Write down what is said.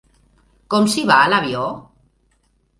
Com s'hi va, a l'avió?